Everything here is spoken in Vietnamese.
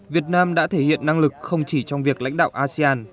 việt nam đã thể hiện năng lực không chỉ trong việc lãnh đạo asean